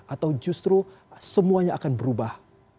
atau justru semuanya akan berubah